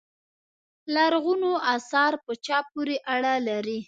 لرغونو اثار په چا پورې اړه لري.